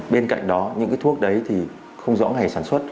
bên cạnh đó những cái thuốc đấy thì không rõ ngày sản xuất